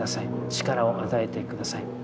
力を与えて下さい。